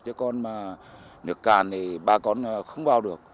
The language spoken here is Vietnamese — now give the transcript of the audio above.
chứ còn mà nước cạn thì bà con không vào được